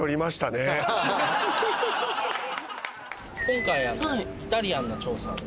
今回イタリアンの調査。